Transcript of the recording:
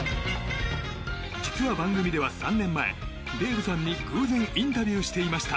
実は番組では３年前デイブさんに偶然インタビューしていました。